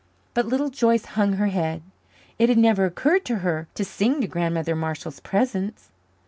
But Little Joyce hung her head. It had never occurred to her to sing in Grandmother Marshall's presence.